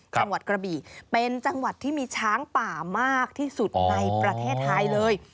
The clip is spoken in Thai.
จังหวัดกระบี่เป็นจังหวัดที่มีช้างป่ามากที่สุดในประเทศไทยเลย